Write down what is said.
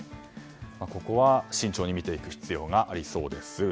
ここは慎重に見ていく必要がありそうです。